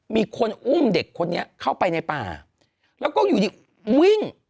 มีคนอุ้มเด็กคนนี้เข้าไปในป่าแล้วก็อยู่ดีวิ่ง